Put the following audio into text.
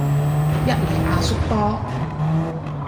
一嚟阿叔多